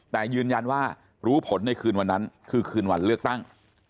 แต่ยืนยันว่ารู้ผลในคืนวันนั้นคือคืนวันเลือกตั้ง